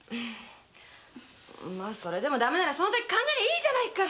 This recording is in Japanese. それでも駄目ならその時考えりゃいいじゃないか。